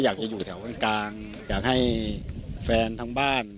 อยากจะอยู่แถวกลางอยากให้แฟนทั้งบ้าน